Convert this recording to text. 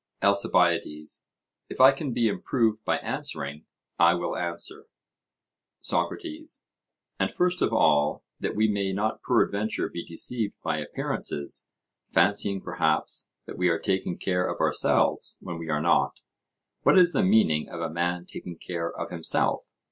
ALCIBIADES: If I can be improved by answering, I will answer. SOCRATES: And first of all, that we may not peradventure be deceived by appearances, fancying, perhaps, that we are taking care of ourselves when we are not, what is the meaning of a man taking care of himself?